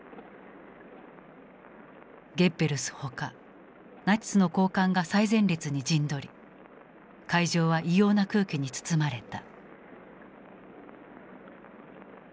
ゲッベルスほかナチスの高官が最前列に陣取り会場は異様な空気に包まれた。